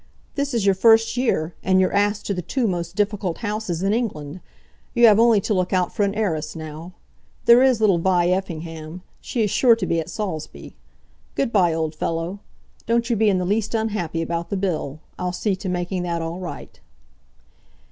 This is your first year, and you're asked to the two most difficult houses in England. You have only to look out for an heiress now. There is little Vi Effingham; she is sure to be at Saulsby. Good bye, old fellow. Don't you be in the least unhappy about the bill. I'll see to making that all right."